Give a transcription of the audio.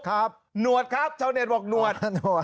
หนวดครับชาวเน็ตบอกหนวด